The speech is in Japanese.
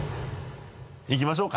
いきましょうか。